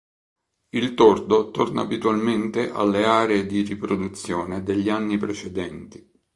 Il tordo torna abitualmente alle aree di riproduzione degli anni precedenti.